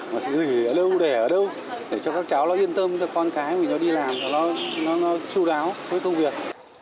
mà thì ở đâu để ở đâu để cho các cháu yên tâm cho con cái mà nó đi làm nó chú đáo với công việc